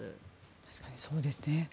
確かにそうですね。